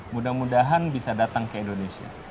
mudah mudahan bisa datang ke indonesia